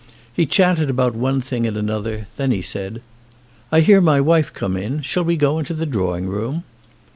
He chatted about one thing and another, then he said : "I hear my wife come in. Shall we go into the drawing room?"